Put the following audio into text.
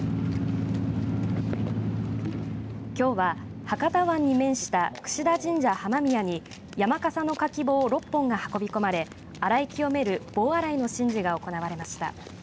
きょうは博多湾に面した櫛田神社浜宮に山笠のかき棒６本が運び込まれ洗い清められる棒洗いの神事が行われました。